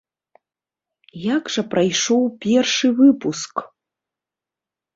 Як жа прайшоў першы выпуск?